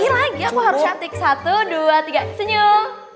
iya lagi aku harus nyatik satu dua tiga senyum